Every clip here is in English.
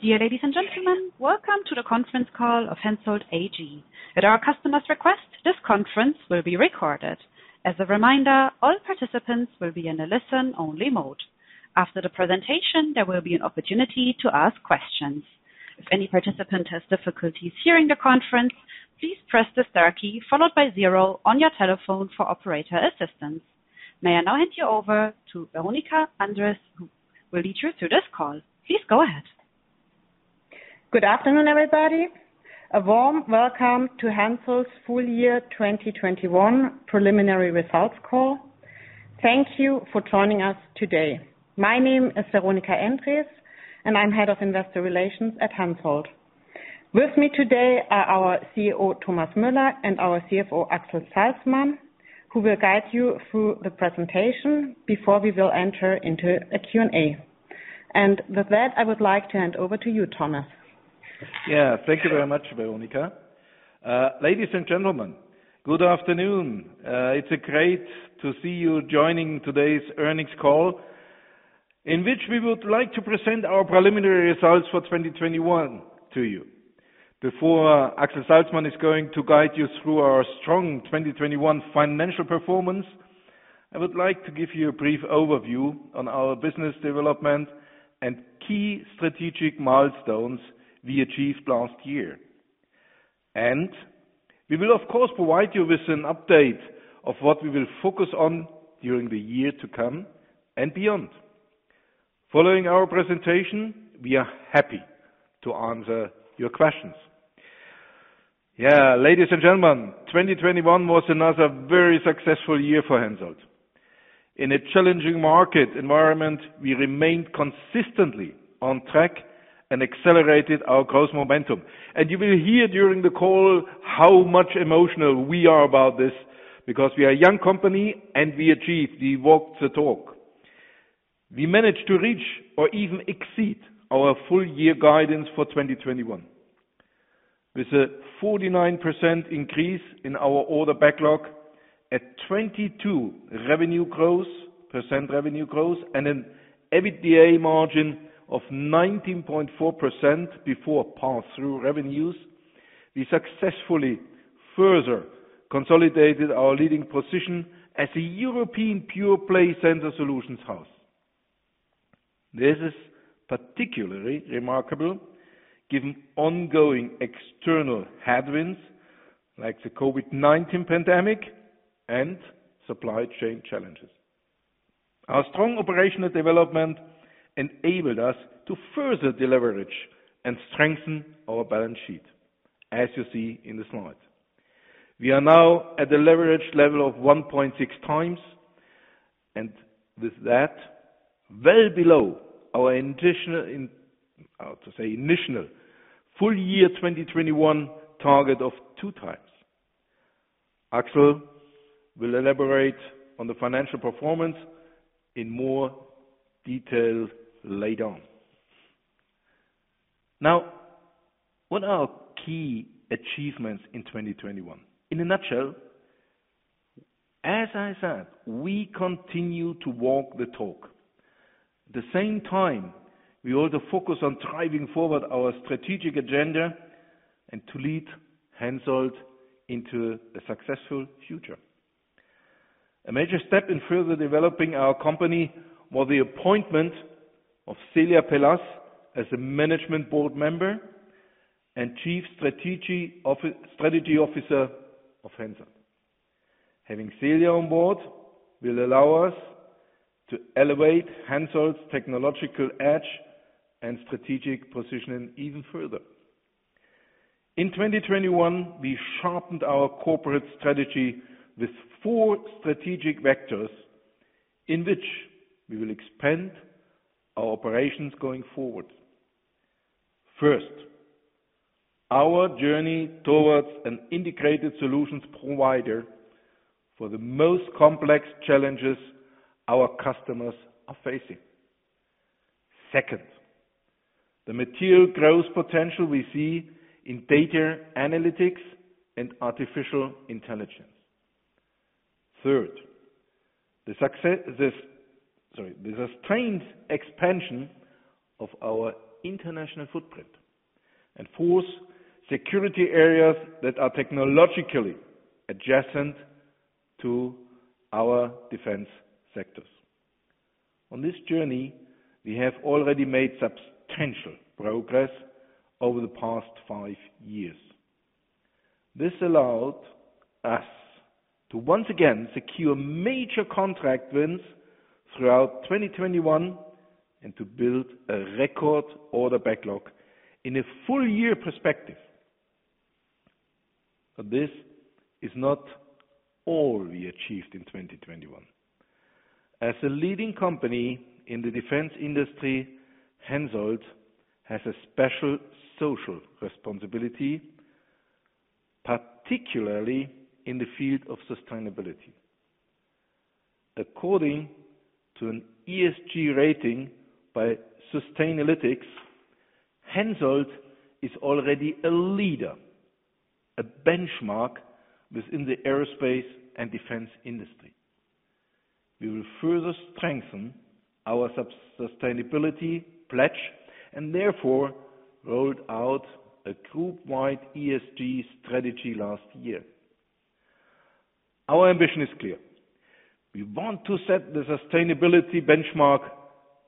Dear ladies and gentlemen, welcome to the conference call of HENSOLDT AG. At our customer's request, this conference will be recorded. As a reminder, all participants will be in a listen-only mode. After the presentation, there will be an opportunity to ask questions. If any participant has difficulties hearing the conference, please press the star key followed by zero on your telephone for operator assistance. May I now hand you over to Veronika Endres, who will lead you through this call. Please go ahead. Good afternoon, everybody. A warm welcome to HENSOLDT's full year 2021 preliminary results call. Thank you for joining us today. My name is Veronika Endres, and I'm Head of Investor Relations at HENSOLDT. With me today are our CEO, Thomas Müller, and our CFO, Axel Salzmann, who will guide you through the presentation before we will enter into a Q&A. With that, I would like to hand over to you, Thomas. Yeah. Thank you very much, Veronika. Ladies and gentlemen, good afternoon. It's great to see you joining today's earnings call in which we would like to present our preliminary results for 2021 to you. Before Axel Salzmann is going to guide you through our strong 2021 financial performance, I would like to give you a brief overview on our business development and key strategic milestones we achieved last year. We will of course provide you with an update of what we will focus on during the year to come and beyond. Following our presentation, we are happy to answer your questions. Yeah, ladies and gentlemen, 2021 was another very successful year for HENSOLDT. In a challenging market environment, we remained consistently on track and accelerated our growth momentum. You will hear during the call how emotional we are about this because we are a young company and we achieved. We walked the talk. We managed to reach or even exceed our full year guidance for 2021. With a 49% increase in our order backlog, 22% revenue growth, and an EBITDA margin of 19.4% before pass-through revenues, we successfully further consolidated our leading position as a European pure play sensor solutions house. This is particularly remarkable given ongoing external headwinds like the COVID-19 pandemic and supply chain challenges. Our strong operational development enabled us to further deleverage and strengthen our balance sheet, as you see in the slide. We are now at the leverage level of 1.6x, well below our initial full year 2021 target of 2x. Axel will elaborate on the financial performance in more detail later on. Now, what are our key achievements in 2021? In a nutshell, as I said, we continue to walk the talk. The same time, we also focus on driving forward our strategic agenda and to lead HENSOLDT into a successful future. A major step in further developing our company was the appointment of Celia Pelaz as a Management Board member and Chief Strategy Officer of HENSOLDT. Having Celia on board will allow us to elevate HENSOLDT's technological edge and strategic positioning even further. In 2021, we sharpened our corporate strategy with four strategic vectors in which we will expand our operations going forward. First, our journey towards an integrated solutions provider for the most complex challenges our customers are facing. Second, the material growth potential we see in data analytics and artificial intelligence. Third, the sustained expansion of our international footprint. Fourth, security areas that are technologically adjacent to our defense sectors. On this journey, we have already made substantial progress over the past five years. This allowed us to once again secure major contract wins throughout 2021 and to build a record order backlog in a full year perspective. This is not all we achieved in 2021. As a leading company in the defense industry, HENSOLDT has a special social responsibility, particularly in the field of sustainability. According to an ESG rating by Sustainalytics, HENSOLDT is already a leader, a benchmark within the aerospace and defense industry. We will further strengthen our sustainability pledge and therefore rolled out a group-wide ESG strategy last year. Our ambition is clear. We want to set the sustainability benchmark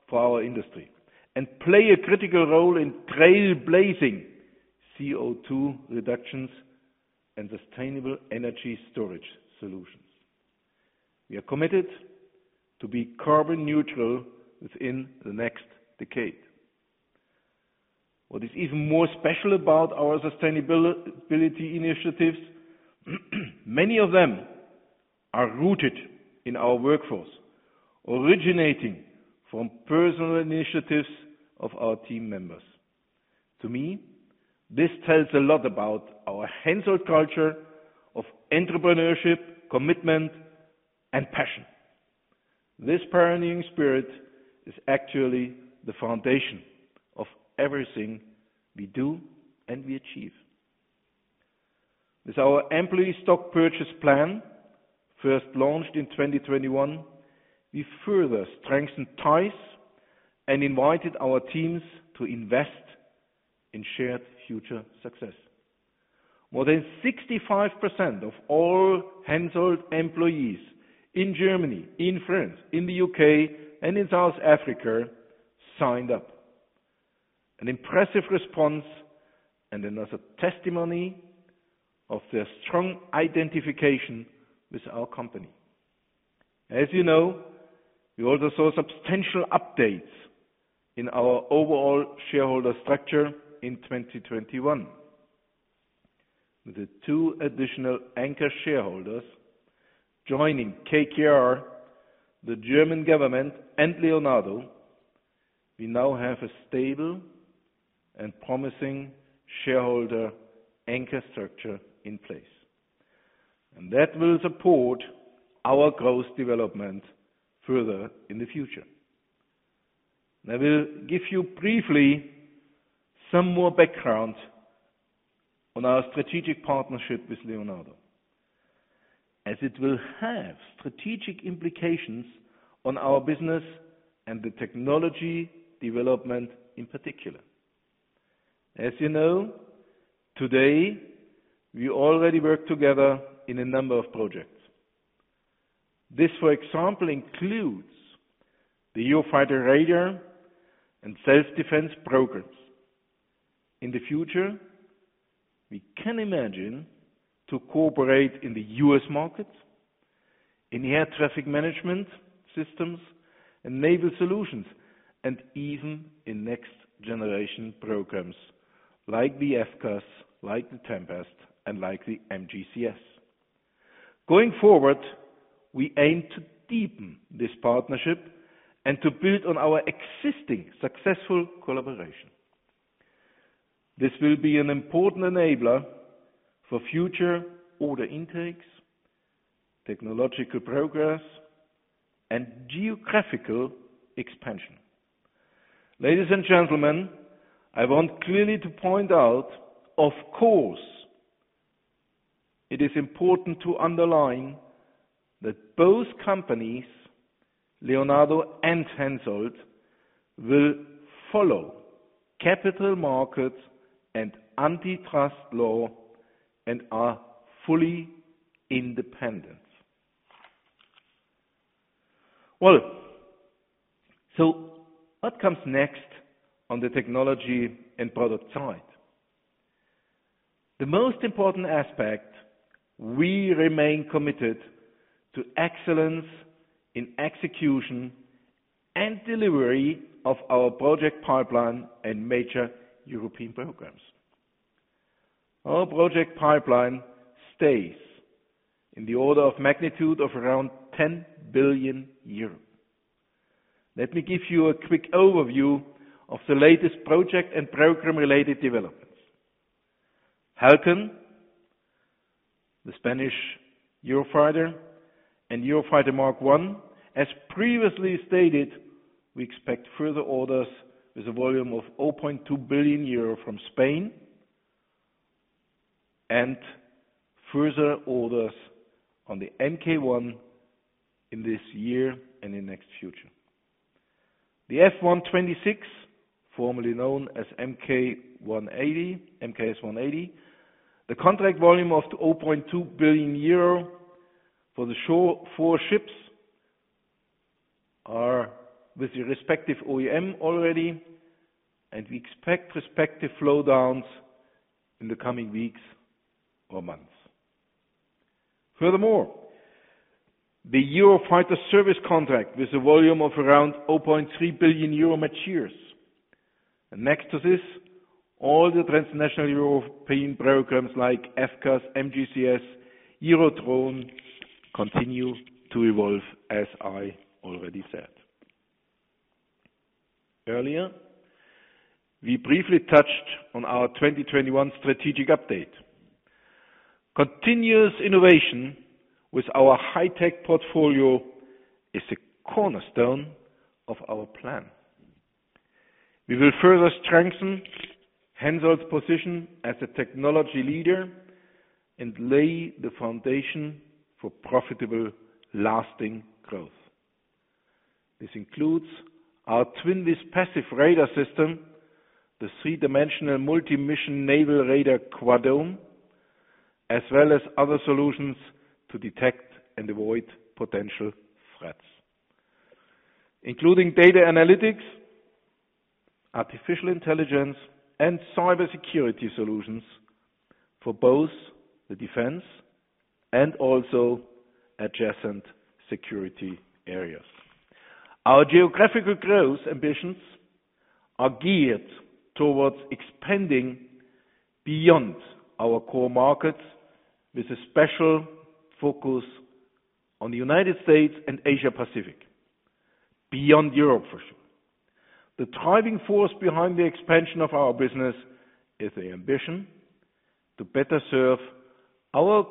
for our industry and play a critical role in trailblazing CO2 reductions and sustainable energy storage solutions. We are committed to be carbon neutral within the next decade. What is even more special about our sustainability initiatives, many of them are rooted in our workforce, originating from personal initiatives of our team members. To me, this tells a lot about our HENSOLDT culture of entrepreneurship, commitment, and passion. This pioneering spirit is actually the foundation of everything we do and we achieve. With our employee stock purchase plan, first launched in 2021, we further strengthened ties and invited our teams to invest in shared future success. More than 65% of all HENSOLDT employees in Germany, in France, in the U.K., and in South Africa signed up. An impressive response and another testimony of their strong identification with our company. As you know, we also saw substantial updates in our overall shareholder structure in 2021. With the two additional anchor shareholders joining KKR, the German government and Leonardo S.p.A., we now have a stable and promising shareholder anchor structure in place, and that will support our growth development further in the future. I will give you briefly some more background on our strategic partnership with Leonardo S.p.A., as it will have strategic implications on our business and the technology development in particular. As you know, today, we already work together in a number of projects. This, for example, includes the Eurofighter radar and self-defense programs. In the future, we can imagine to cooperate in the U.S. market, in air traffic management systems and naval solutions, and even in next-generation programs like the FCAS, like the Tempest, and like the MGCS. Going forward, we aim to deepen this partnership and to build on our existing successful collaboration. This will be an important enabler for future order intakes, technological progress, and geographical expansion. Ladies and gentlemen, I want clearly to point out, of course, it is important to underline that both companies, Leonardo and HENSOLDT, will follow capital markets and antitrust law and are fully independent. Well, what comes next on the technology and product side? The most important aspect, we remain committed to excellence in execution and delivery of our project pipeline and major European programs. Our project pipeline stays in the order of magnitude of around 10 billion euros. Let me give you a quick overview of the latest project and program-related developments. Halcón, the Spanish Eurofighter and Eurofighter Mark 1, as previously stated, we expect further orders with a volume of 0.2 billion euro from Spain and further orders on the Mk1 in this year and in the near future. The F126, formerly known as MKS 180, the contract volume of 0.2 billion euro for the four ships are with the respective OEM already, and we expect respective flow downs in the coming weeks or months. Furthermore, the Eurofighter service contract with a volume of around 0.3 billion euro matures. Next to this, all the transnational European programs like FCAS, MGCS, Eurodrone continue to evolve, as I already said. Earlier, we briefly touched on our 2021 strategic update. Continuous innovation with our high tech portfolio is a cornerstone of our plan. We will further strengthen HENSOLDT's position as a technology leader and lay the foundation for profitable, lasting growth. This includes our HENSOLDT Twinvis passive radar system, the three-dimensional multi-mission naval radar Quadome, as well as other solutions to detect and avoid potential threats, including data analytics, artificial intelligence and cybersecurity solutions for both the defense and also adjacent security areas. Our geographical growth ambitions are geared towards expanding beyond our core markets with a special focus on the United States and Asia Pacific beyond Europe, for sure. The driving force behind the expansion of our business is the ambition to better serve our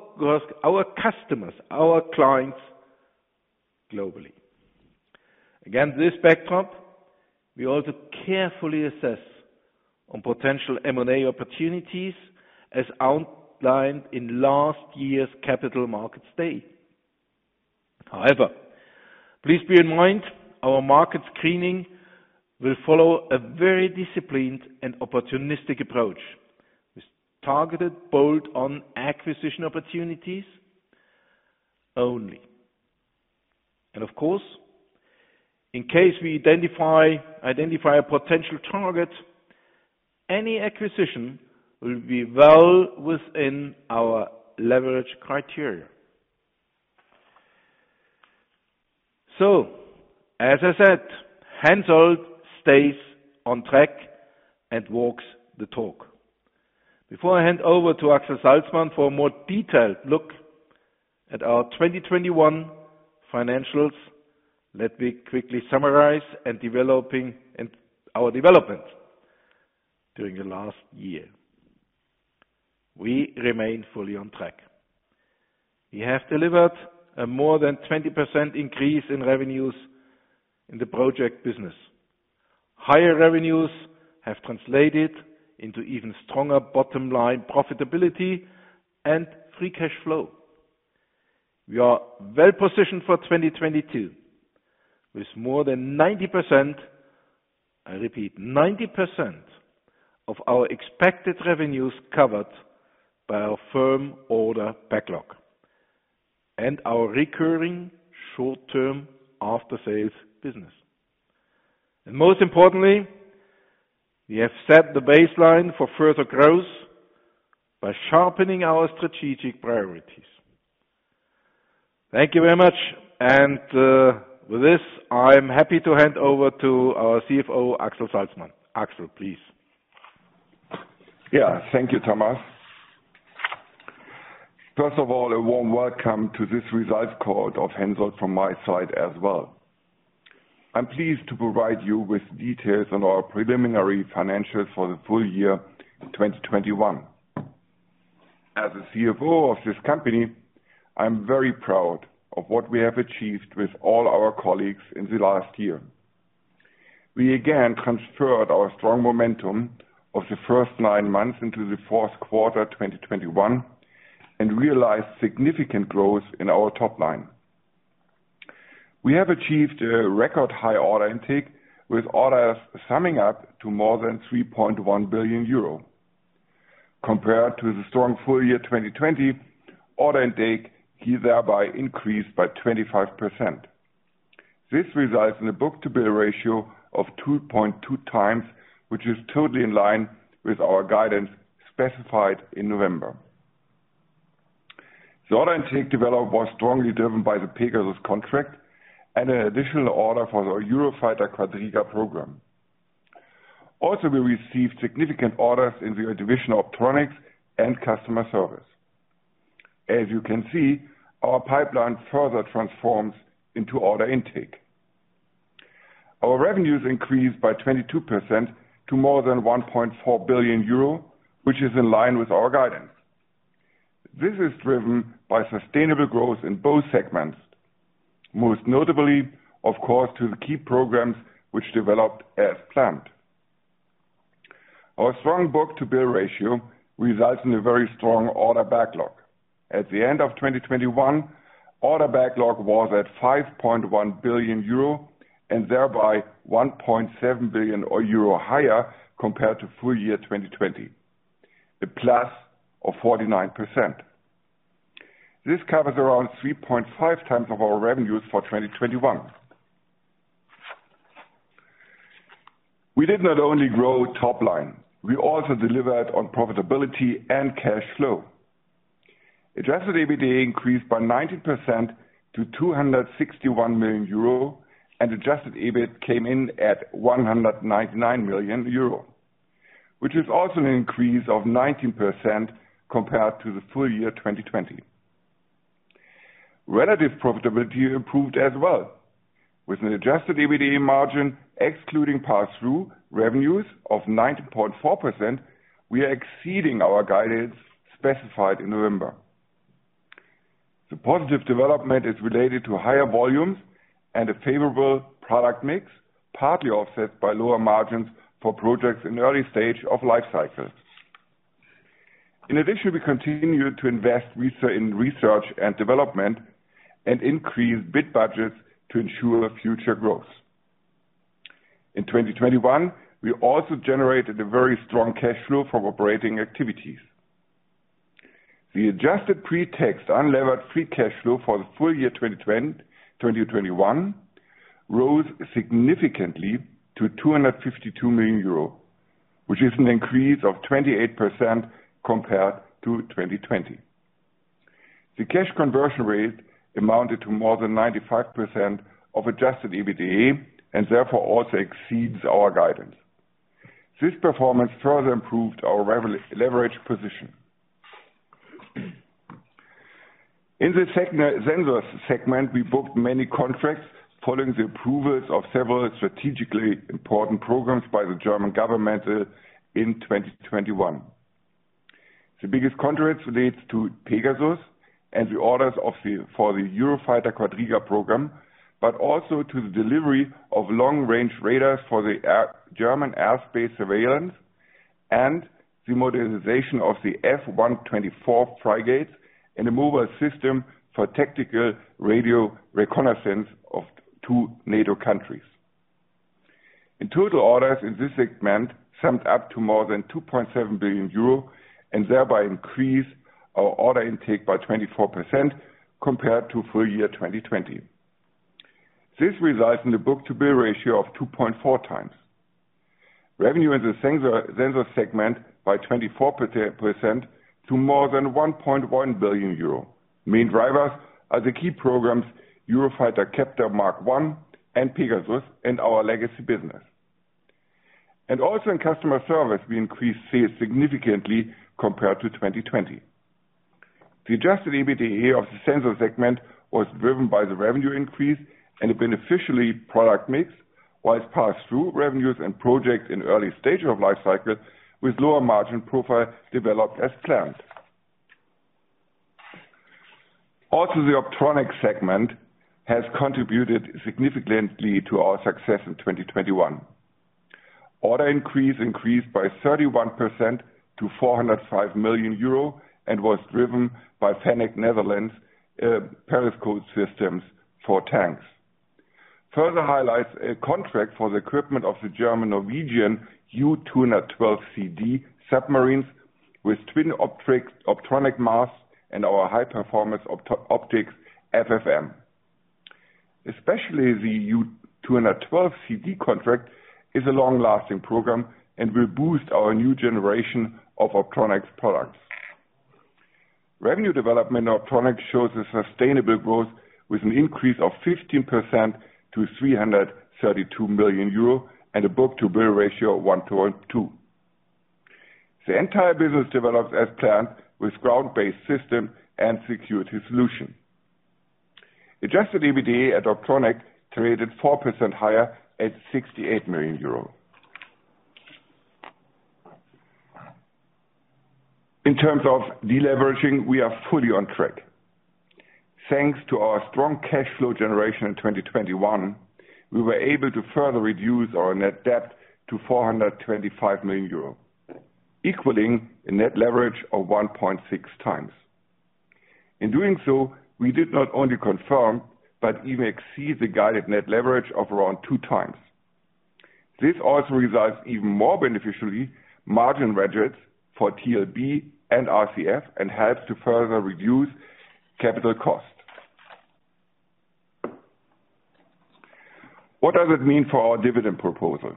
our customers, our clients globally. Against this backdrop, we also carefully assess any potential M&A opportunities as outlined in last year's capital markets day. However, please bear in mind our market screening will follow a very disciplined and opportunistic approach with targeted bolt-on acquisition opportunities only. Of course, in case we identify a potential target, any acquisition will be well within our leverage criteria. As I said, HENSOLDT stays on track and walks the talk. Before I hand over to Axel Salzmann for a more detailed look at our 2021 financials, let me quickly summarize our development during the last year. We remain fully on track. We have delivered a more than 20% increase in revenues in the project business. Higher revenues have translated into even stronger bottom line profitability and free cash flow. We are well positioned for 2022 with more than 90%, I repeat, 90% of our expected revenues covered by our firm order backlog and our recurring short-term after sales business. Most importantly, we have set the baseline for further growth by sharpening our strategic priorities. Thank you very much. With this, I am happy to hand over to our CFO, Axel Salzmann. Axel, please. Yeah. Thank you, Thomas. First of all, a warm welcome to this results call of HENSOLDT from my side as well. I'm pleased to provide you with details on our preliminary financials for the full year in 2021. As the CFO of this company, I'm very proud of what we have achieved with all our colleagues in the last year. We again transferred our strong momentum of the first nine months into the fourth quarter 2021 and realized significant growth in our top line. We have achieved a record high order intake, with orders summing up to more than 3.1 billion euro. Compared to the strong full year 2020, order intake thereby increased by 25%. This results in a book-to-bill ratio of 2.2x, which is totally in line with our guidance specified in November. The order intake developed was strongly driven by the PEGASUS contract and an additional order for the Eurofighter Quadriga program. Also, we received significant orders in the division of Optronics and customer service. As you can see, our pipeline further transforms into order intake. Our revenues increased by 22% to more than 1.4 billion euro, which is in line with our guidance. This is driven by sustainable growth in both segments, most notably, of course, to the key programs which developed as planned. Our strong book-to-bill ratio results in a very strong order backlog. At the end of 2021, order backlog was at 5.1 billion euro and thereby 1.7 billion euro higher compared to full year 2020. A plus of 49%. This covers around 3.5x of our revenues for 2021. We did not only grow top line. We also delivered on profitability and cash flow. Adjusted EBITDA increased by 19% to 261 million euro, and Adjusted EBIT came in at 199 million euro, which is also an increase of 19% compared to the full year 2020. Relative profitability improved as well. With an Adjusted EBITDA margin excluding passthrough revenues of 90.4%, we are exceeding our guidance specified in November. The positive development is related to higher volumes and a favorable product mix, partly offset by lower margins for projects in early stage of life cycles. In addition, we continue to invest in research and development and increase bid budgets to ensure future growth. In 2021, we also generated a very strong cash flow from operating activities. The Adjusted pre-tax unlevered free cash flow for the full year 2021 rose significantly to 252 million euro, which is an increase of 28% compared to 2020. The cash conversion rate amounted to more than 95% of Adjusted EBITDA, and therefore also exceeds our guidance. This performance further improved our leverage position. In the Sensors segment, we booked many contracts following the approvals of several strategically important programs by the German government in 2021. The biggest contracts relates to PEGASUS and the orders of the for the Eurofighter Quadriga program, but also to the delivery of long-range radars for the German airspace surveillance and the modernization of the F124 frigates and a mobile system for tactical radio reconnaissance of two NATO countries. In total, orders in this segment summed up to more than 2.7 billion euro and thereby increased our order intake by 24% compared to full year 2020. This results in the book-to-bill ratio of 2.4x. Revenue in the Sensors segment increased by 24% to more than 1.1 billion euro. Main drivers are the key programs Eurofighter Captor Mark 1 and PEGASUS and our legacy business. In customer service, we increased sales significantly compared to 2020. The Adjusted EBITDA of the Sensors segment was driven by the revenue increase and a beneficial product mix, while pass-through revenues and projects in early stage of life cycle with lower margin profile developed as planned. The Optronics segment has contributed significantly to our success in 2021. Order intake increased by 31% to 405 million euro and was driven by HENSOLDT Netherlands, periscope systems for tanks. Further highlights a contract for the equipment of the German Norwegian U212CD submarines with twin optronic masts and our high-performance Optronics FFM. Especially the U212CD contract is a long-lasting program and will boost our new generation of Optronics products. Revenue development in Optronics shows a sustainable growth with an increase of 15% to 332 million euro and a book-to-bill ratio of 1.2. The entire business developed as planned with ground-based system and security solution. Adjusted EBITDA at Optronics increased 4% higher at EUR 68 million. In terms of deleveraging, we are fully on track. Thanks to our strong cash flow generation in 2021, we were able to further reduce our net debt to 425 million euros, equaling a net leverage of 1.6x. In doing so, we did not only confirm but even exceed the guided net leverage of around 2x. This also results in even more beneficial margin guarantees for TLB and RCF and helps to further reduce capital costs. What does it mean for our dividend proposal?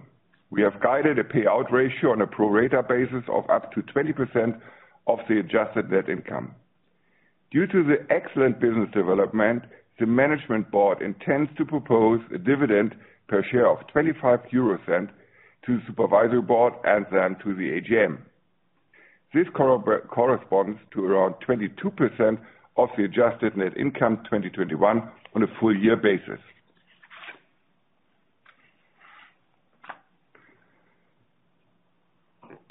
We have guided a payout ratio on a pro rata basis of up to 20% of the Adjusted net income. Due to the excellent business development, the Management Board intends to propose a dividend per share of 0.25 to the Supervisory Board and then to the AGM. This corresponds to around 22% of the Adjusted net income 2021 on a full year basis.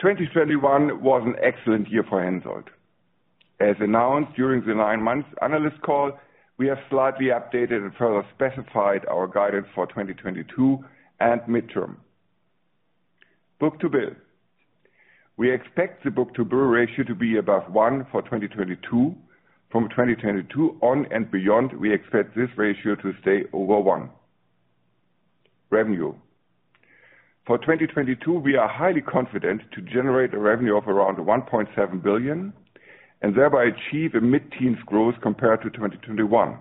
2021 was an excellent year for HENSOLDT. As announced during the nine-month analyst call, we have slightly updated and further specified our guidance for 2022 and midterm. Book-to-bill. We expect the book-to-bill ratio to be above one for 2022. From 2022 on and beyond, we expect this ratio to stay over one. Revenue. For 2022, we are highly confident to generate revenue of around 1.7 billion and thereby achieve mid-teens growth compared to 2021.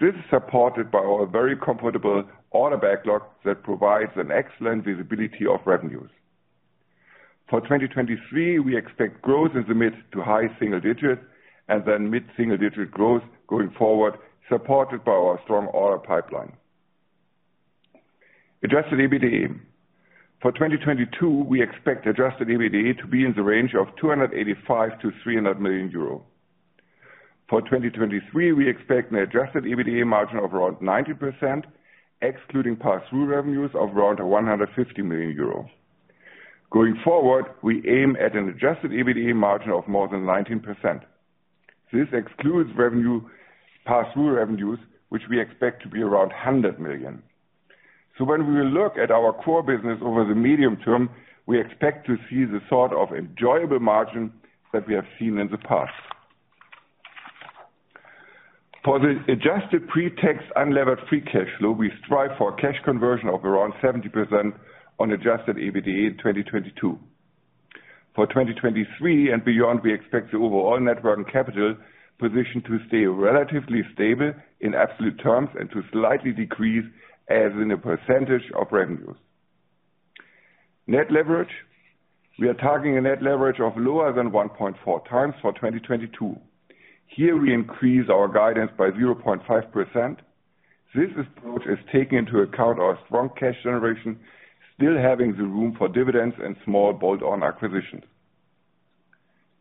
This is supported by our very comfortable order backlog that provides an excellent visibility of revenues. For 2023, we expect growth in the mid- to high-single digits and then mid-single digit growth going forward, supported by our strong order pipeline. Adjusted EBITDA. For 2022, we expect Adjusted EBITDA to be in the range of 285 million-300 million euro. For 2023, we expect an Adjusted EBITDA margin of around 90%, excluding pass-through revenues of around 150 million euros. Going forward, we aim at an Adjusted EBITDA margin of more than 19%. This excludes pass-through revenues, which we expect to be around 100 million. When we look at our core business over the medium term, we expect to see the sort of enviable margin that we have seen in the past. For the Adjusted pre-tax unlevered free cash flow, we strive for cash conversion of around 70% on Adjusted EBITDA in 2022. For 2023 and beyond, we expect the overall net working capital position to stay relatively stable in absolute terms and to slightly decrease as a percentage of revenues. Net leverage. We are targeting a net leverage of lower than 1.4x for 2022. Here we increase our guidance by 0.5%. This approach is taking into account our strong cash generation, still having the room for dividends and small bolt-on acquisitions.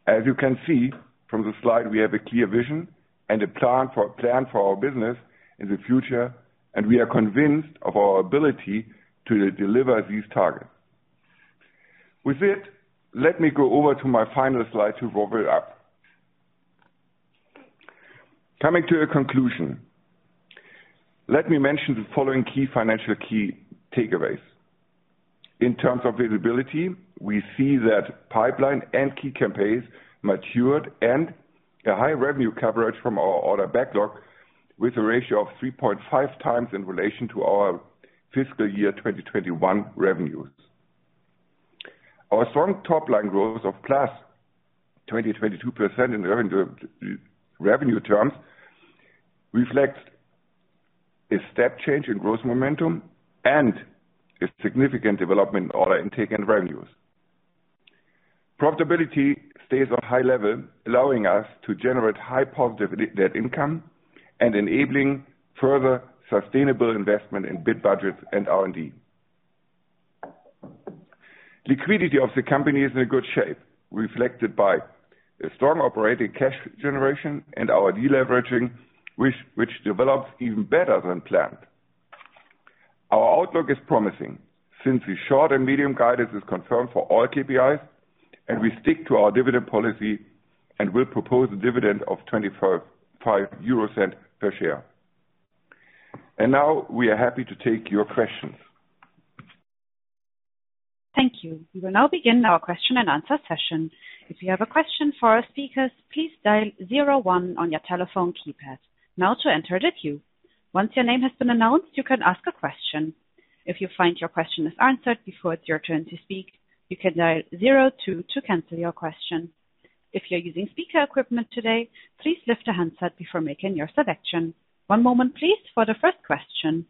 As you can see from the slide, we have a clear vision and a plan for our business in the future, and we are convinced of our ability to deliver these targets. With it, let me go over to my final slide to wrap it up. Coming to a conclusion, let me mention the following key financial takeaways. In terms of visibility, we see that pipeline and key campaigns matured and a high revenue coverage from our order backlog with a ratio of 3.5x in relation to our fiscal year 2021 revenues. Our strong top-line growth of +22% in revenue terms reflects a step change in growth momentum and a significant development in order intake and revenues. Profitability stays on high level, allowing us to generate high positive net income and enabling further sustainable investment in bid budgets and R&D. Liquidity of the company is in a good shape, reflected by a strong operating cash generation and our deleveraging, which develops even better than planned. Our outlook is promising since the short and medium guidance is confirmed for all KPIs and we stick to our dividend policy and will propose a dividend of 0.25 per share. Now we are happy to take your questions. Thank you. We will now begin our question and answer session. If you have a question for our speakers, please dial zero one on your telephone keypad now to enter the queue. Once your name has been announced, you can ask a question. If you find your question is answered before it's your turn to speak, you can dial zero two to cancel your question. If you're using speaker equipment today, please lift the handset before making your selection. One moment please for the first question.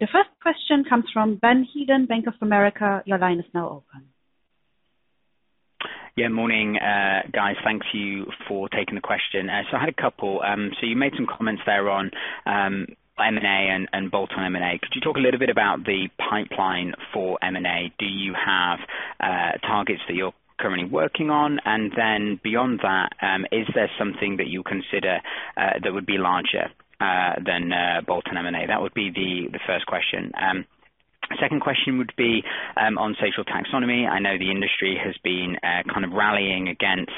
The first question comes from Benjamin Heelan, Bank of America. Your line is now open. Yeah, morning, guys. Thank you for taking the question. I had a couple. You made some comments there on M&A and bolt-on M&A. Could you talk a little bit about the pipeline for M&A? Do you have targets that you're currently working on? Then beyond that, is there something that you consider that would be larger than a bolt-on M&A? That would be the first question. Second question would be on Social Taxonomy. I know the industry has been kind of rallying against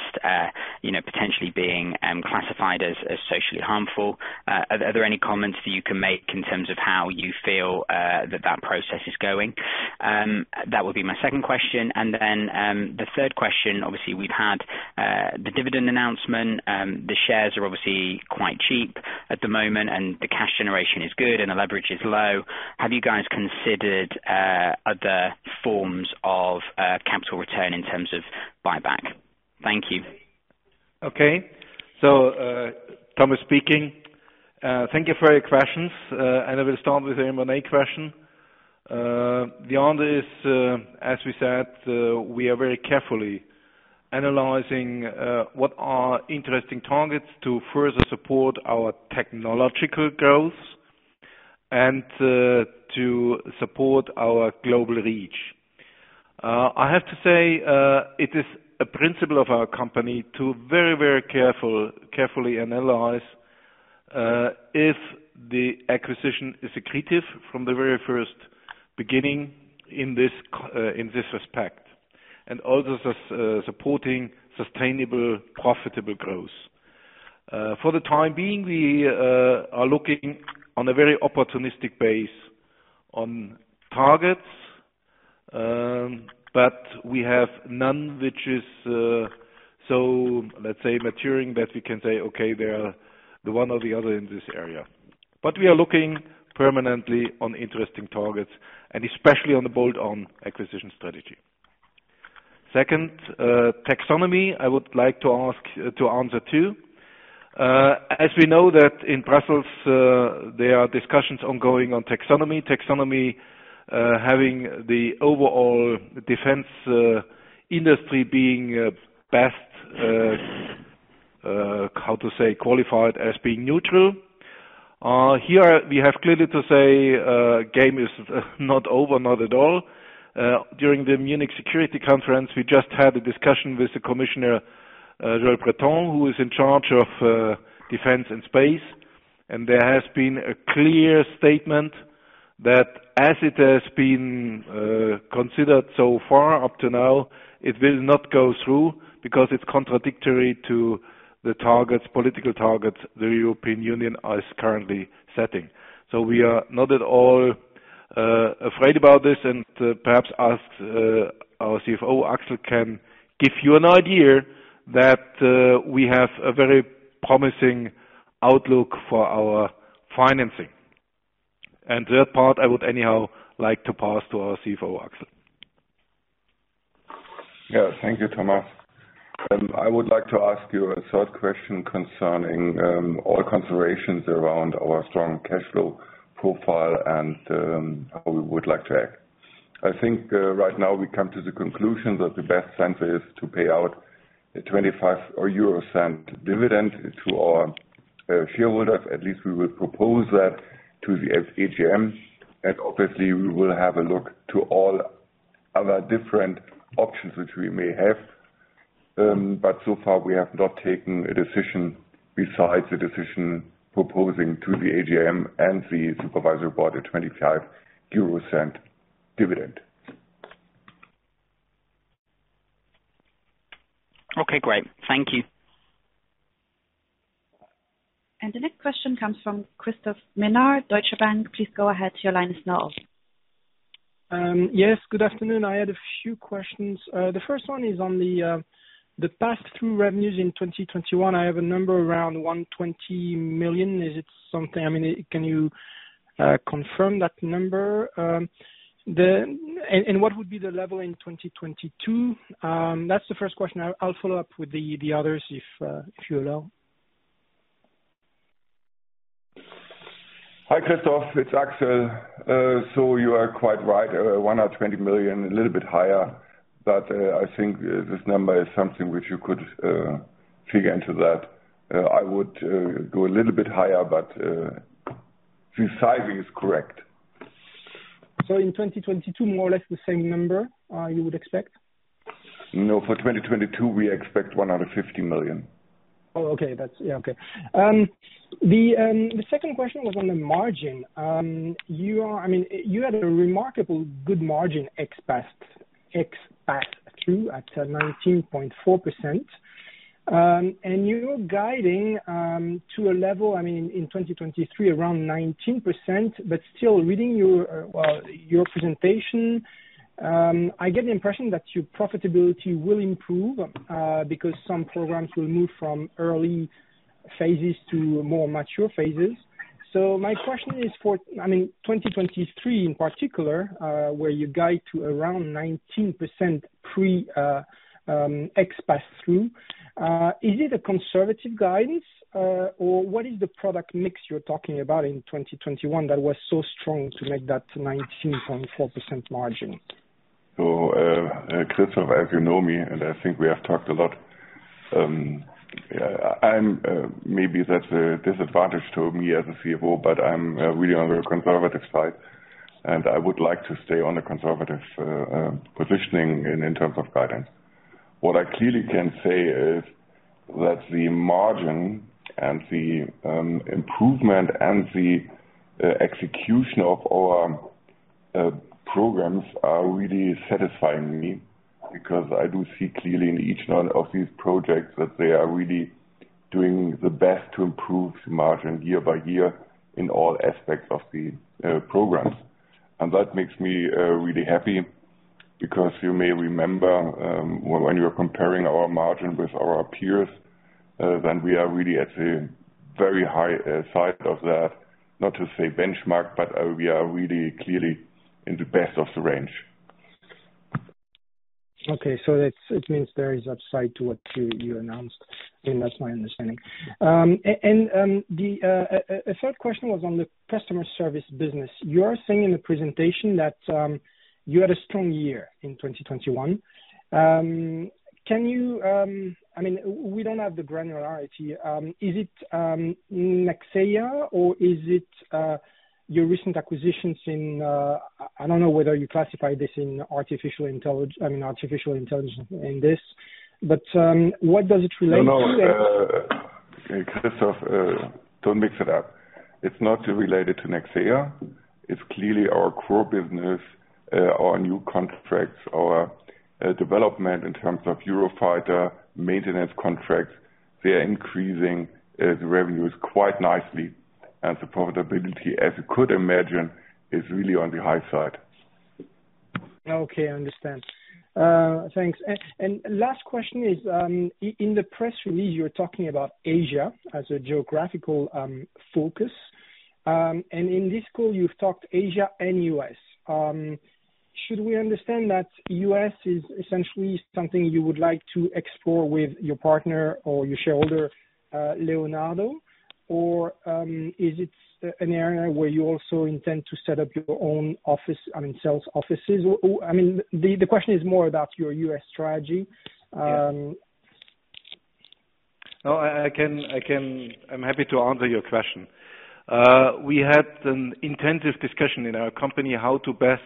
you know, potentially being classified as socially harmful. Are there any comments that you can make in terms of how you feel that process is going? That would be my second question. The third question, obviously, we've had the dividend announcement. The shares are obviously quite cheap at the moment, and the cash generation is good and the leverage is low. Have you guys considered other forms of capital return in terms of buyback? Thank you. Okay. Thomas speaking. Thank you for your questions. I will start with the M&A question. The answer is, as we said, we are very carefully analyzing what are interesting targets to further support our technological growth and to support our global reach. I have to say, it is a principle of our company to carefully analyze if the acquisition is accretive from the very first beginning in this respect, and also supporting sustainable, profitable growth. For the time being, we are looking on a very opportunistic basis on targets, but we have none which is so let's say maturing, that we can say, okay, they are the one or the other in this area. We are looking permanently on interesting targets and especially on the bolt-on acquisition strategy. Second, Taxonomy, I would like to answer too. As we know that in Brussels, there are discussions ongoing on Taxonomy having the overall defense industry being best qualified as being neutral. Here we have clearly to say game is not over, not at all. During the Munich Security Conference, we just had a discussion with the Commissioner Thierry Breton, who is in charge of Defense and Space. There has been a clear statement that as it has been considered so far up to now, it will not go through because it's contradictory to the targets, political targets, the European Union is currently setting. We are not at all afraid about this, and perhaps ask our CFO, Axel, can give you an idea that we have a very promising outlook for our financing. That part I would anyhow like to pass to our CFO, Axel. Thank you, Thomas. I would like to ask you a third question concerning all considerations around our strong cash flow profile and how we would like to act. I think right now we come to the conclusion that it makes the most sense to pay out a 0.25 dividend to our shareholders. At least we will propose that to the AGMs. Obviously we will have a look at all other different options which we may have. So far, we have not taken a decision besides the decision proposing to the AGM and the Supervisory Board a 0.25 dividend. Okay, great. Thank you. The next question comes from Christophe Menard, Deutsche Bank. Please go ahead, your line is now open. Yes, good afternoon. I had a few questions. The first one is on the pass through revenues in 2021. I have a number around 120 million. Is it something? I mean, can you confirm that number? What would be the level in 2022? That's the first question. I'll follow up with the others if you allow. Hi, Christophe. It's Axel. You are quite right. 120 million, a little bit higher. I think this number is something which you could figure into that. I would go a little bit higher, but the sizing is correct. In 2022, more or less the same number, you would expect? No, for 2022, we expect 150 million. The second question was on the margin. I mean, you had a remarkably good Adjusted EBITDA at 19.4%. And you're guiding to a level, I mean, in 2023, around 19%, but still reading your, well, your presentation, I get the impression that your profitability will improve because some programs will move from early phases to more mature phases. My question is for, I mean, 2023 in particular, where you guide to around 19% Adjusted EBITDA. Is it a conservative guidance, or what is the product mix you're talking about in 2021 that was so strong to make that 19.4% margin? Christophe, as you know me, and I think we have talked a lot, I'm maybe that's a disadvantage to me as a CFO, but I'm really on the conservative side, and I would like to stay on the conservative positioning in terms of guidance. What I clearly can say is that the margin and the improvement and the execution of our programs are really satisfying me because I do see clearly in each one of these projects that they are really doing the best to improve the margin year by year in all aspects of the programs. That makes me really happy because you may remember when you are comparing our margin with our peers, then we are really at the very high side of that, not to say benchmark, but we are really clearly in the best of the range. It means there is upside to what you announced. I mean, that's my understanding. A third question was on the customer service business. You are saying in the presentation that you had a strong year in 2021. Can you? I mean, we don't have the granularity. Is it Nexeya or is it your recent acquisitions in? I don't know whether you classify this in artificial intelligence. I mean artificial intelligence in this, but what does it relate to? No, no. Christophe, don't mix it up. It's not related to Nexeya. It's clearly our core business, our new contracts, our development in terms of Eurofighter maintenance contracts. They are increasing the revenues quite nicely, and the profitability, as you could imagine, is really on the high side. Okay, I understand. Thanks. Last question is, in the press release, you're talking about Asia as a geographical focus. In this call you've talked Asia and U.S. Should we understand that U.S. is essentially something you would like to explore with your partner or your shareholder, Leonardo? Is it an area where you also intend to set up your own office, I mean, sales offices? I mean the question is more about your U.S. strategy. No, I can. I'm happy to answer your question. We had an intensive discussion in our company how to best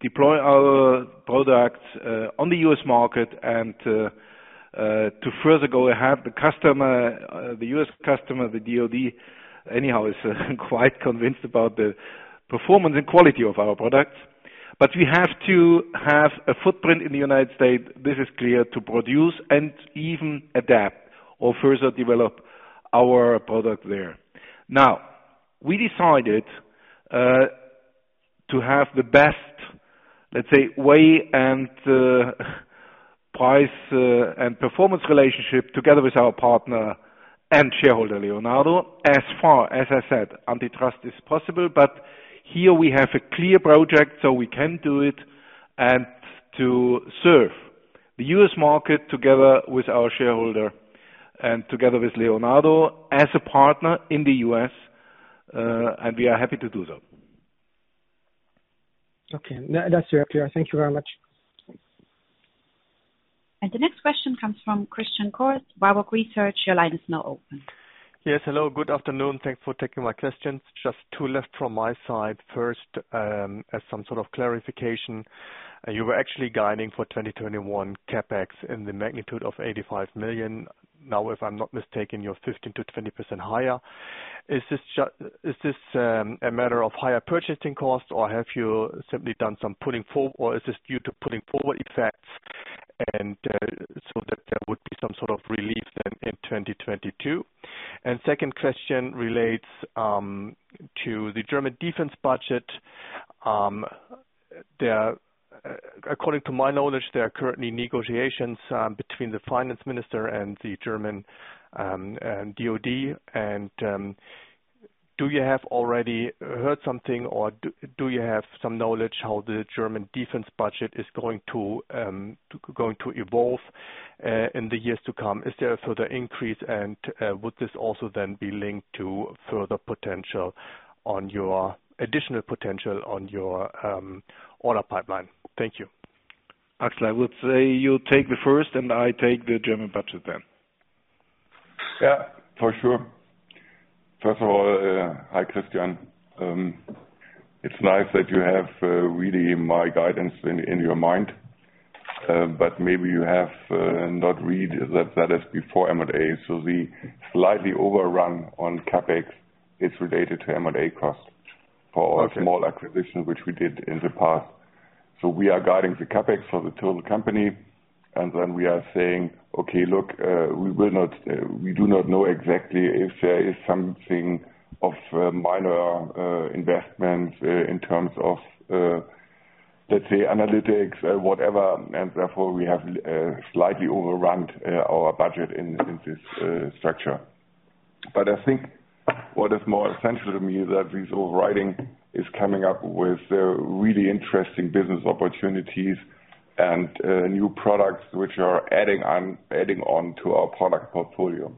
deploy our products on the U.S. market and to further go have the customer, the U.S. customer, the DoD anyhow is quite convinced about the performance and quality of our products. We have to have a footprint in the United States, this is clear, to produce and even adapt or further develop our product there. Now, we decided to have the best, let's say, way and price and performance relationship together with our partner and shareholder, Leonardo S.p.A. As far as I said, antitrust is possible, but here we have a clear project, so we can do it and to serve the U.S. market together with our shareholder and together with Leonardo S.p.A. As a partner in the U.S., and we are happy to do so. Okay. That's very clear. Thank you very much. The next question comes from Christian Cohrs, Baader Bank. Your line is now open. Yes, hello, good afternoon. Thanks for taking my questions. Just two left from my side. First, as some sort of clarification, you were actually guiding for 2021 CapEx in the magnitude of 85 million. Now, if I'm not mistaken, you're 15%-20% higher. Is this a matter of higher purchasing costs, or have you simply done some pulling forward, or is this due to pulling forward effects and so that there would be some sort of relief then in 2022? Second question relates to the German defense budget. There, according to my knowledge, there are currently negotiations between the finance minister and the German MoD. Do you have already heard something, or do you have some knowledge how the German Defense budget is going to evolve in the years to come? Is there a further increase, and would this also then be linked to additional potential on your order pipeline? Thank you. Axel, I would say you take the first, and I take the German budget then. Yeah, for sure. First of all, hi, Christian. It's nice that you have really my guidance in your mind. But maybe you have not read that that is before M&A. The slightly overrun on CapEx is related to M&A costs for our small acquisition which we did in the past. We are guiding the CapEx for the total company, and then we are saying, "Okay, look, we will not, we do not know exactly if there is something of minor investment in terms of, let's say, analytics, whatever. We have slightly overrun our budget in this structure. I think what is more essential to me is that this overriding is coming up with really interesting business opportunities and new products which are adding on to our product portfolio.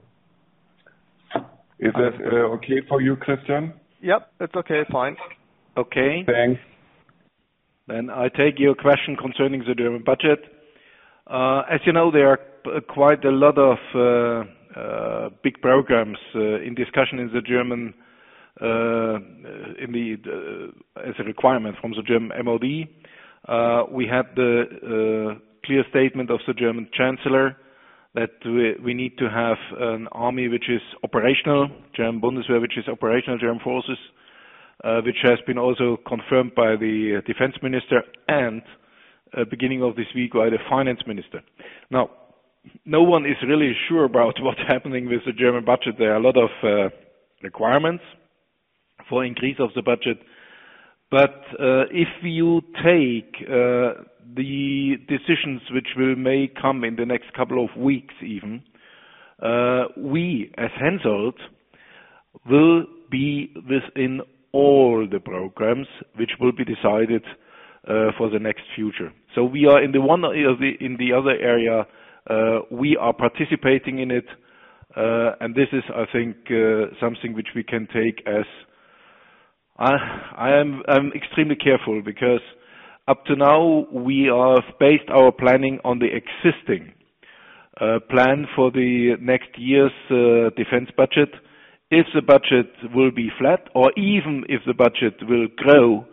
Is that okay for you, Christian? Yep, that's okay, fine. Okay. Thanks. I take your question concerning the German budget. As you know, there are quite a lot of big programs in discussion as a requirement from the German MoD. We have the clear statement of the German Chancellor that we need to have an army which is operational, German Bundeswehr which is operational German forces, which has been also confirmed by the Defense Minister and, beginning of this week, by the Finance Minister. No one is really sure about what's happening with the German budget. There are a lot of requirements for increase of the budget. If you take the decisions which may come in the next couple of weeks even, we as HENSOLDT will be within all the programs which will be decided for the next future. We are in the one or the other area, we are participating in it. This is, I think, something which we can take as I am extremely careful because up to now we have based our planning on the existing plan for the next year's defense budget. If the budget will be flat or even if the budget will grow,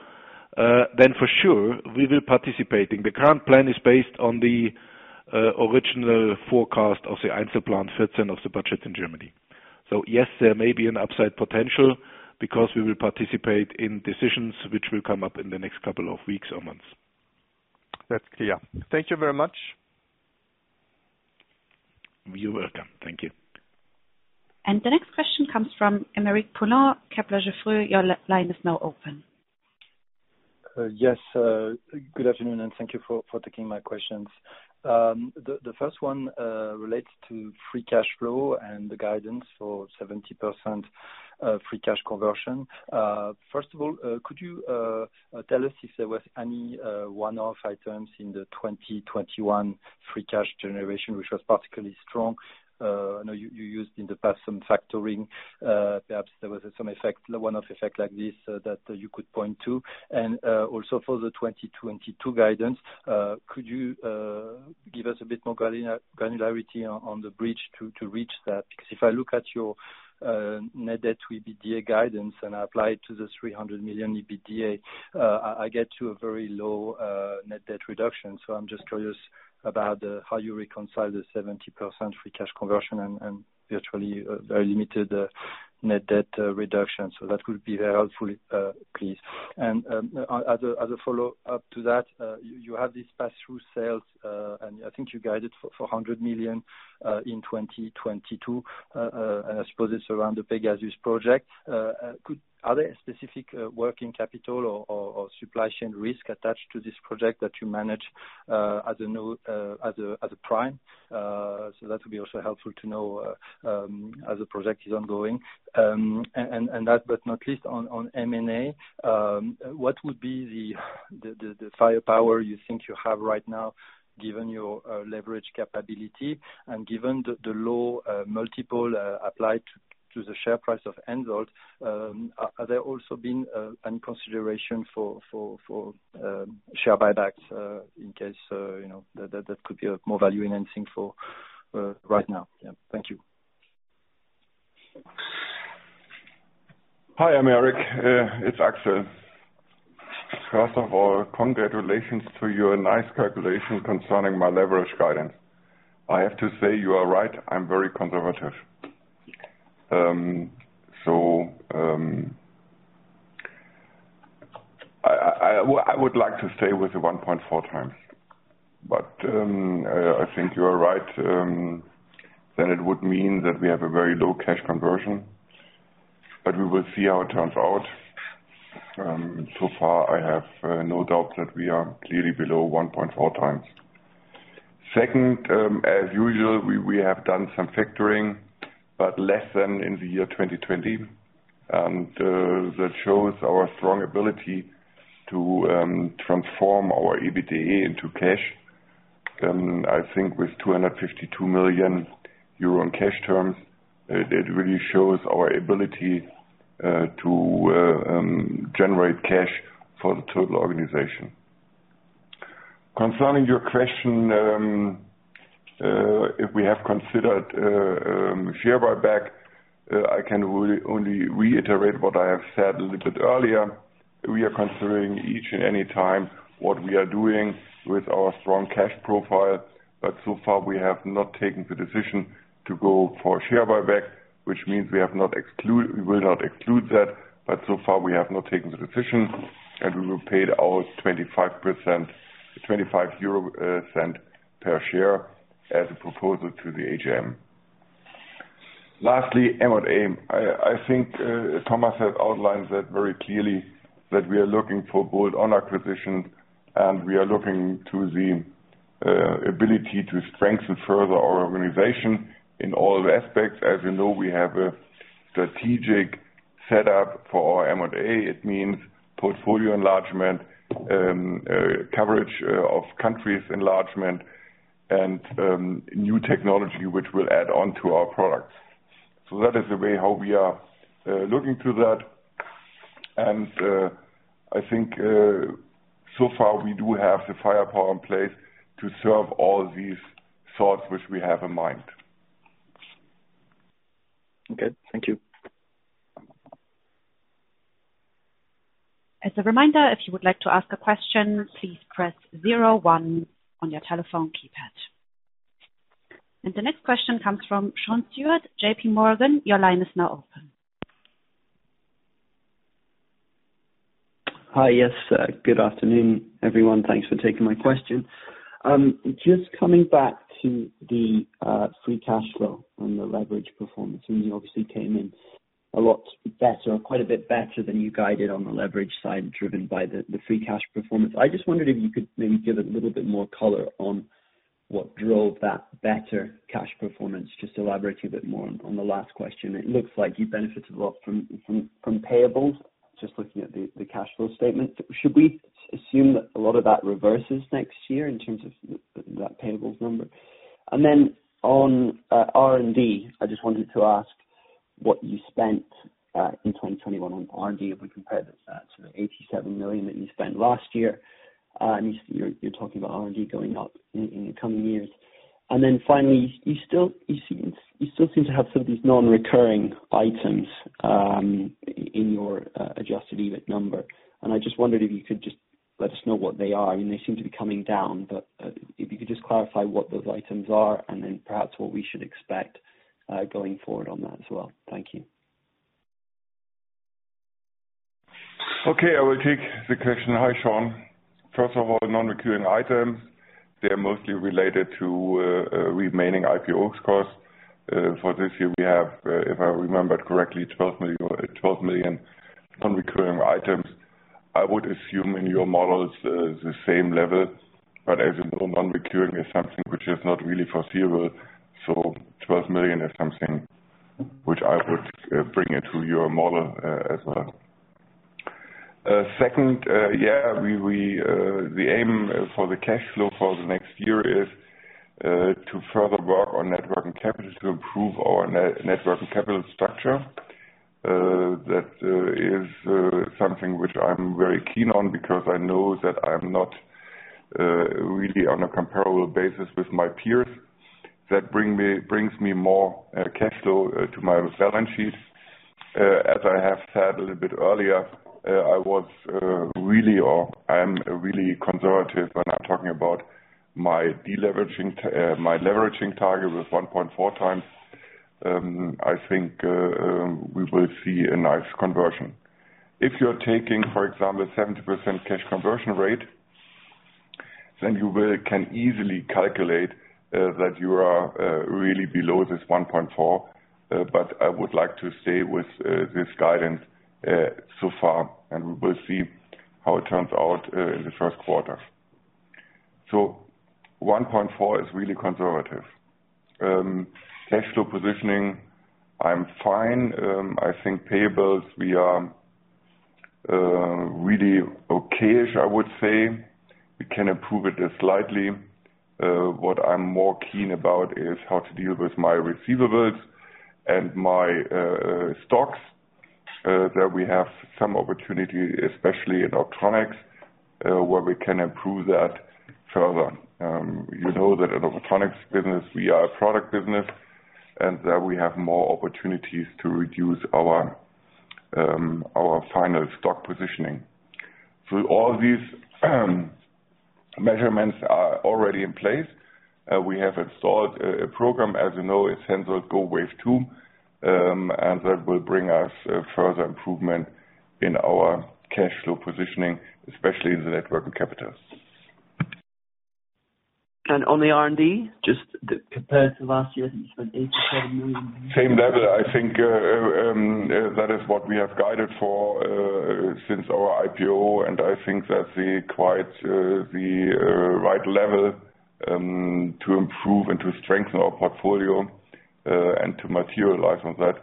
then for sure we will be participating. The current plan is based on the original forecast of the Einzelplan Verteidigung of the budget in Germany. Yes, there may be an upside potential because we will participate in decisions which will come up in the next couple of weeks or months. That's clear. Thank you very much. You're welcome. Thank you. The next question comes from Aymeric Poulain, Kepler Cheuvreux. Your line is now open. Yes, good afternoon, and thank you for taking my questions. The first one relates to free cash flow and the guidance for 70% free cash conversion. First of all, could you tell us if there was any one-off items in the 2021 free cash generation, which was particularly strong? I know you used in the past some factoring. Perhaps there was some one-off effect like this that you could point to. Also, for the 2022 guidance, could you give us a bit more granularity on the bridge to reach that? Because if I look at your net debt EBITDA guidance and apply it to the 300 million EBITDA, I get to a very low net debt reduction. I'm just curious about how you reconcile the 70% free cash conversion and virtually a very limited net debt reduction. That would be very helpful, please. As a follow-up to that, you have these pass-through sales, and I think you guided for 100 million in 2022. I suppose it's around the PEGASUS project. Are there specific working capital or supply chain risk attached to this project that you manage as a new prime? That would be also helpful to know as the project is ongoing. Last but not least on M&A, what would be the firepower you think you have right now given your leverage capability and given the low multiple applied to the share price of HENSOLDT? Has there also been any consideration for share buybacks in case you know that could be a more value-enhancing for right now? Yeah. Thank you. Hi, Aymeric. It's Axel. First of all, congratulations to your nice calculation concerning my leverage guidance. I have to say you are right. I'm very conservative. I would like to stay with the 1.4x. I think you are right, then it would mean that we have a very low cash conversion. We will see how it turns out. So far I have no doubt that we are clearly below 1.4x. Second, as usual, we have done some factoring, but less than in the year 2020. That shows our strong ability to transform our EBITDA into cash. I think with 252 million euro in cash terms, it really shows our ability to generate cash for the total organization. Concerning your question, if we have considered share buyback, I can only reiterate what I have said a little bit earlier. We are considering each and every time what we are doing with our strong cash profile, but so far we have not taken the decision to go for share buyback, which means we will not exclude that, but so far we have not taken the decision, and we will pay our 25%, 0.25 per share as a proposal to the AGM. Lastly, M&A. I think Thomas has outlined that very clearly that we are looking for both on acquisitions and we are looking to the ability to strengthen further our organization in all aspects. As you know, we have a strategic set up for our M&A. It means portfolio enlargement, coverage of countries enlargement and new technology which will add on to our products. That is the way how we are looking to that. I think so far we do have the firepower in place to serve all these thoughts which we have in mind. Okay. Thank you. As a reminder, if you would like to ask a question, please press zero one on your telephone keypad. The next question comes from Sean Stewart of JPMorgan. Your line is now open. Hi. Yes. Good afternoon, everyone. Thanks for taking my question. Just coming back to the free cash flow and the leverage performance. I mean, you obviously came in a lot better, quite a bit better than you guided on the leverage side, driven by the free cash performance. I just wondered if you could maybe give a little bit more color on what drove that better cash performance. Just elaborate a bit more on the last question. It looks like you benefited a lot from payables, just looking at the cash flow statement. Should we assume that a lot of that reverses next year in terms of that payables number? On R&D, I just wanted to ask what you spent in 2021 on R&D, if we compare to the 87 million that you spent last year. At least you're talking about R&D going up in the coming years. Finally, you still seem to have some of these non-recurring items in your Adjusted EBIT number. I just wondered if you could just let us know what they are. I mean, they seem to be coming down, but if you could just clarify what those items are and then perhaps what we should expect going forward on that as well? Thank you. Okay. I will take the question. Hi, Sean. First of all, the non-recurring items. They're mostly related to remaining IPO costs. For this year we have, if I remember correctly, 12 million non-recurring items. I would assume in your models the same level, but as non-recurring is something which is not really foreseeable, so 12 million is something which I would bring into your model as well. Second, yeah, we the aim for the cash flow for the next year is to further work on net working capital to improve our net working capital structure. That is something which I'm very keen on because I know that I'm not really on a comparable basis with my peers. That brings me more cash flow to my balance sheets. As I have said a little bit earlier, I'm really conservative when I'm talking about my leveraging target with 1.4x. I think we will see a nice conversion. If you're taking, for example, 70% cash conversion rate, then you can easily calculate that you are really below this 1.4x. I would like to stay with this guidance so far, and we will see how it turns out in the first quarter. 1.4x is really conservative. Cash flow positioning, I'm fine. I think payables we are really okay-ish, I would say. We can improve it slightly. What I'm more keen about is how to deal with my receivables and my stocks, that we have some opportunity, especially in electronics, where we can improve that further. You know that in electronics business we are a product business and that we have more opportunities to reduce our final stock positioning. All these measures are already in place. We have installed a program, as you know, it's HENSOLDT Go! Wave 2, and that will bring us further improvement in our cash flow positioning, especially in the net working capital. On the R&D, just compared to last year's 87 million? Same level. I think that is what we have guided for since our IPO, and I think that's quite the right level to improve and to strengthen our portfolio and to materialize on that.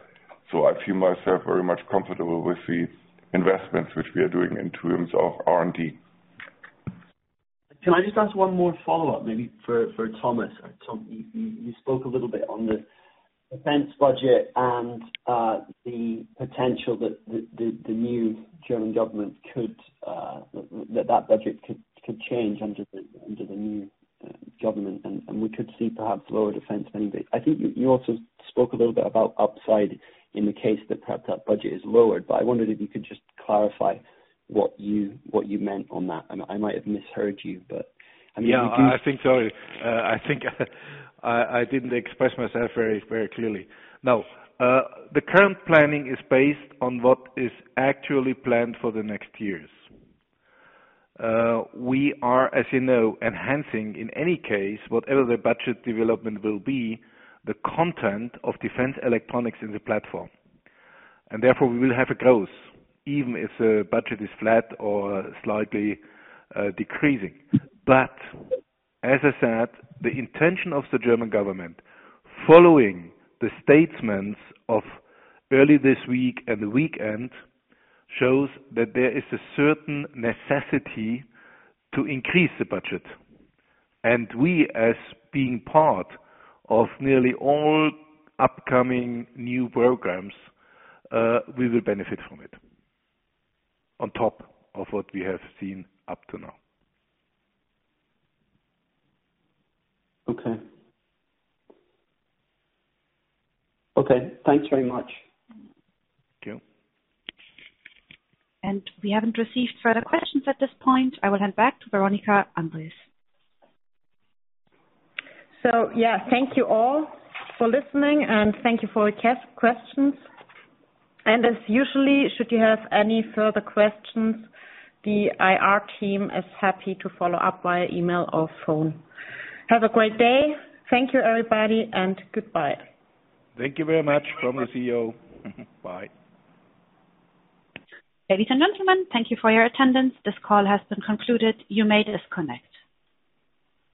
I feel myself very much comfortable with the investments which we are doing in terms of R&D. Can I just ask one more follow-up maybe for Thomas? Tom, you spoke a little bit on the defense budget and the potential that the new German government could, that budget could change under the new government, and we could see perhaps lower defense spending. I think you also spoke a little bit about upside in the case that perhaps that budget is lowered. I wondered if you could just clarify what you meant on that. I might have misheard you, but I mean, you do? Yeah, I think so. I think I didn't express myself very clearly. No, the current planning is based on what is actually planned for the next years. We are, as you know, enhancing in any case, whatever the budget development will be, the content of defense electronics in the platform. Therefore, we will have a growth even if the budget is flat or slightly decreasing. As I said, the intention of the German government, following the statements of early this week and the weekend, shows that there is a certain necessity to increase the budget. We, as being part of nearly all upcoming new programs, we will benefit from it on top of what we have seen up to now. Okay, thanks very much. Thank you. We haven't received further questions at this point. I will hand back to Veronika Endres. Yeah, thank you all for listening, and thank you for your questions. As usual, should you have any further questions, the IR team is happy to follow up via email or phone. Have a great day. Thank you, everybody, and goodbye. Thank you very much from the CEO. Bye. Ladies and gentlemen, thank you for your attendance. This call has been concluded. You may disconnect.